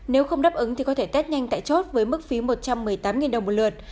nếu không đáp ứng thì có thể tết nhanh tại chốt với mức phí một trăm một mươi tám đồng một lượt